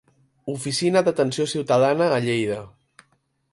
Oficina d'Atenció Ciutadana a Lleida.